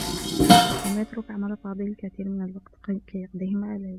لم يترك عمل فاضل الكثير من الوقت كي يقضيه مع ليلى.